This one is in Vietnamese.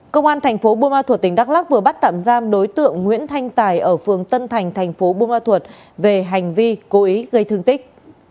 công an thành phố bô ma thuật tỉnh đắk lắc vừa bắt tạm giam đối tượng nguyễn thanh tài ở phường tân thành thành phố bùa ma thuật về hành vi cố ý gây thương tích